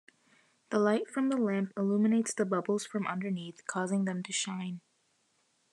The light from the lamp illuminates the bubbles from underneath, causing them to shine.